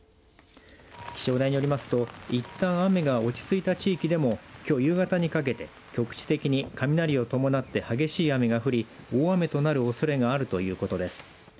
気象台によりますといったん雨が落ち着いた地域でもきょう夕方にかけて、局地的に雷を伴って激しい雨が降り大雨のおそれがあるということです。